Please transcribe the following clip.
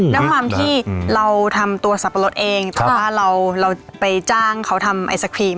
ด้วยความที่เราทำตัวสับปะรดเองแต่ว่าเราไปจ้างเขาทำไอศครีม